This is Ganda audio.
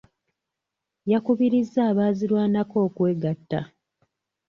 Yakubirizza abaazirwanako okwegatta.